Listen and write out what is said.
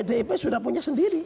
pdip sudah punya sendiri